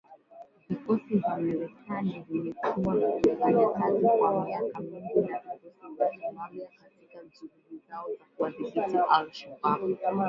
Vikosi vya Marekani vimekuwa vikifanya kazi kwa miaka mingi na vikosi vya Somalia katika juhudi zao za kuwadhibiti al-Shabaab.